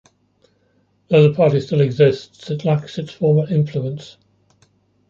Though the party still exists, it lacks its former influence.